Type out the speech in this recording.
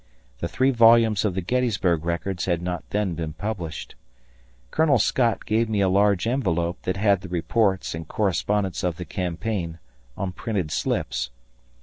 The three volumes of the Gettysburg records had not then been published. Colonel Scott gave me a large envelope that had the reports and correspondence of the campaign on printed slips.